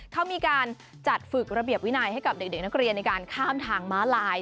เขามีการจัดฝึกระเบียบวินัยให้กับเด็กนักเรียนในการข้ามทางม้าลาย